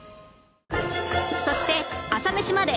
そして『朝メシまで。』